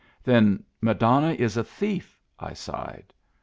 " Then McDonough is a thief," I sighed.